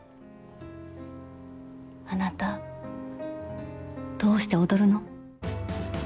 あなた、どうして踊るの？